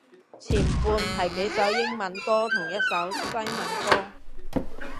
前半係幾首英文歌同一首西文歌